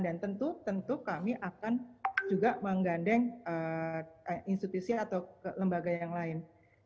dan tentu tentu kami akan juga menggandeng institusi atau lembaga yang lain